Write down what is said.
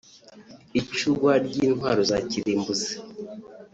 icurwa ry’intwaro za kirimbuzi